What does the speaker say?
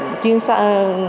vừa phát triển khám chữa bệnh